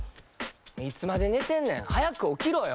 いつまで寝てんねん早く起きろよ。